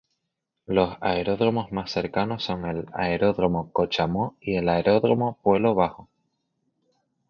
Los aeródromos más cercanos son el Aeródromo Cochamó y el Aeródromo Puelo Bajo.